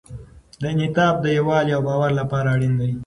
دا انعطاف د یووالي او باور لپاره اړین دی.